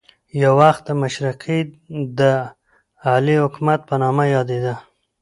یو وخت د مشرقي د اعلی حکومت په نامه یادېده.